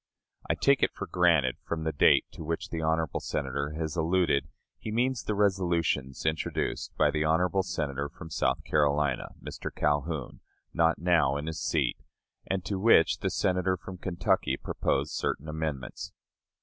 I take it for granted, from the date to which the honorable Senator has alluded, he means the resolutions introduced by the honorable Senator from South Carolina [Mr. Calhoun], not now in his seat, and to which the Senator from Kentucky proposed certain amendments.